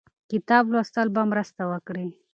کتاب لوستل به مرسته وکړي.